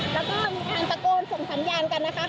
แล้วก็มีการตะโกนส่งสัญญาณกันนะคะ